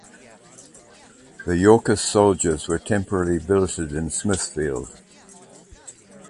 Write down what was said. The Yorkist soldiers were temporarily billeted in Smithfield.